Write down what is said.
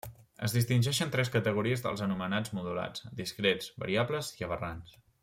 Es distingeixen tres categories dels anomenats modulats: discrets, variables i aberrants.